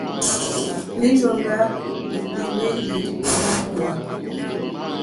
Lǐyɔ̀ŋgɔ́ líhwélì ó mbówà.